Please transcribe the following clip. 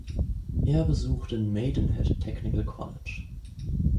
Er besuchte "Maidenhead Technical College".